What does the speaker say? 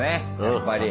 やっぱり。